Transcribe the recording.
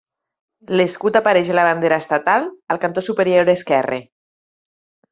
L'escut apareix a la bandera estatal, al cantó superior esquerre.